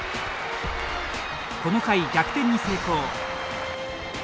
この回、逆転に成功。